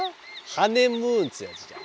ハネムーンっつやつじゃ。